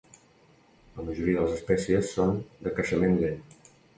La majoria de les espècies són de creixement lent.